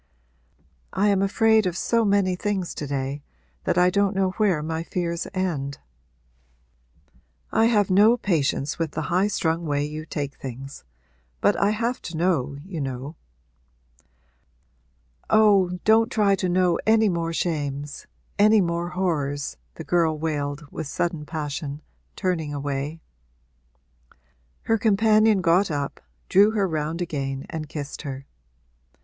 'I am afraid of so many things to day that I don't know where my fears end.' 'I have no patience with the highstrung way you take things. But I have to know, you know.' 'Oh, don't try to know any more shames any more horrors!' the girl wailed with sudden passion, turning away. Her companion got up, drew her round again and kissed her.